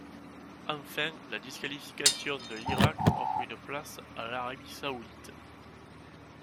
Enfin, la disqualification de l'Irak offre une place à l'Arabie saoudite.